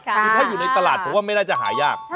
คือถ้าอยู่ในตลาดผมว่าไม่น่าจะหายาก